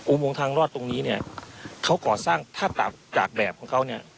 โมงทางรอดตรงนี้เนี่ยเขาก่อสร้างถ้าจากแบบของเขาเนี่ย